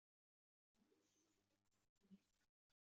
Ulac s wacu ara tessetḥim.